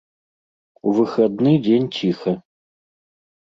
У выхадны дзень ціха.